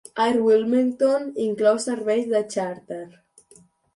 Air Wilmington inclou serveis de xàrter.